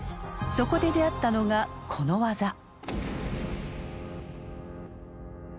そこで出会ったのがこの技。